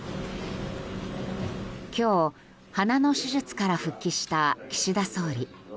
今日、鼻の手術から復帰した岸田総理。